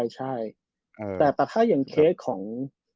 ใช่แต่ถ้าอย่างเคสของ